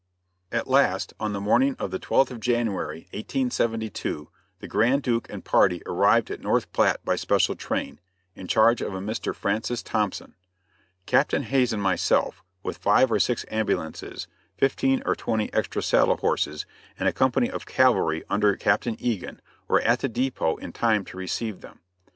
] At last, on the morning of the 12th of January, 1872, the Grand Duke and party arrived at North Platte by special train; in charge of a Mr. Francis Thompson. Captain Hays and myself, with five or six ambulances, fifteen or twenty extra saddle horses and a company of cavalry under Captain Egan, were at the dépôt in time to receive them.